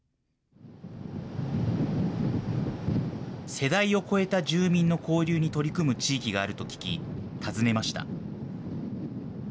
世代を超えた住民の交流に取り組む地域があると聞き、訪ねました。